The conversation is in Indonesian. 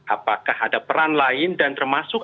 apakah ada peran lain dan termasuk